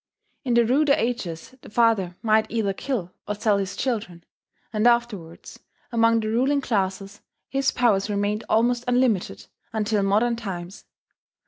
In the ruder ages the father might either kill or sell his children; and afterwards, among the ruling classes his powers remained almost unlimited until modern times.